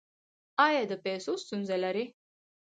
ایا د پیسو ستونزه لرئ؟